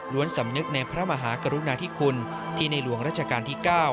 สำนึกในพระมหากรุณาธิคุณที่ในหลวงราชการที่๙